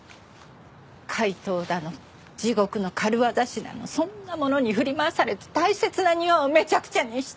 怪盗だの地獄の軽業師だのそんなものに振り回されて大切な庭をめちゃくちゃにして。